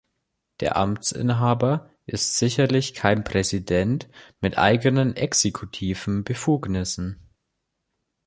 Der Amtsinhaber ist sicherlich kein Präsident mit eigenen exekutiven Befugnissen.